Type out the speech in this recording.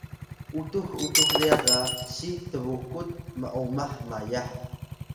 utux utux ryax ga siy tbukut m’omah mayah